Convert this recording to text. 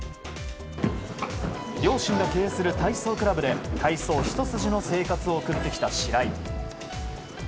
両親が経営する体操クラブで体操ひと筋の生活を送ってきた白井。